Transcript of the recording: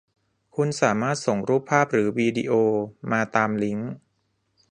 คุณสามารถส่งรูปภาพหรือวีดีโอมาตามลิงค์